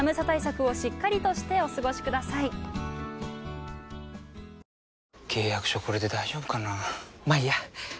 対策をしっかりとしてお過ごしください。